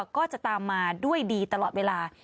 ก็จะตามมาด้วยดีตลอดเวลา